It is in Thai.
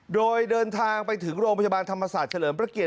โดยเดินทางไปถึงโรงพยาบาลธรรมศาสตร์เฉลิมพระเกียร